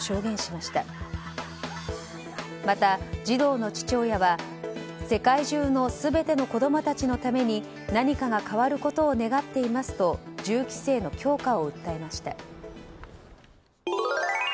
また、児童の父親は世界中の全ての子供たちのために何かが変わることを願っていますと銃規制の強化を訴えました。